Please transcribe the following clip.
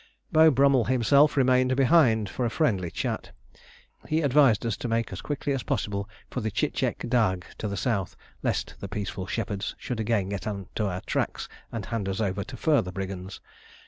Beau Brummell himself remained behind for a friendly chat. He advised us to make as quickly as possible for the Tchitchek Dagh to the south, lest the peaceful shepherds should again get on to our tracks and hand us over to further brigands.